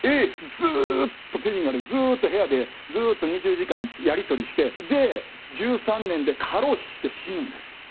ずっと北京からずっと部屋でずっと２０時間やりとりしてで１３年で過労死して死ぬんですよ。